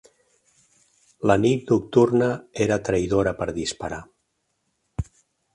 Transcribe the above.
La nit nocturna era traïdora per disparar.